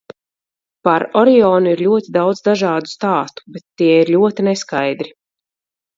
Par Orionu ir ļoti daudz dažādu stāstu, bet tie ir ļoti neskaidri.